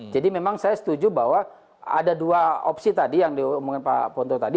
jadi memang saya setuju bahwa ada dua opsi tadi yang diomongin pak pontro tadi